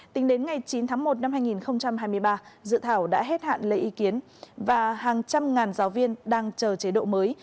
tính đến ngày chín tháng một năm hai nghìn hai mươi ba dự thảo đã hết hạn lấy ý kiến và hàng trăm ngàn giáo viên đang chờ chế độ mới